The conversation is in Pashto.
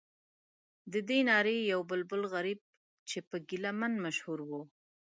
ددې نارې یو بلبل غریب چې په ګیله من مشهور و.